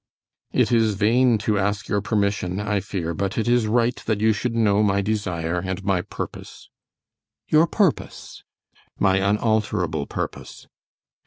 "It is vain to ask your permission, I fear, but it is right that you should know my desire and my purpose." "Your purpose?" "My unalterable purpose."